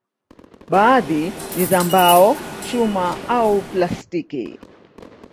Baadhi ni za mbao, chuma au plastiki.